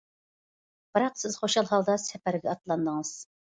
بىراق سىز خۇشال ھالدا سەپەرگە ئاتلاندىڭىز.